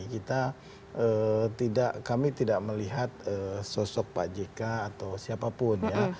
kita tidak kami tidak melihat sosok pak jk atau siapapun ya